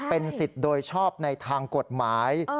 เป็นสิทธิ์โดยชอบในทางกฎหมาย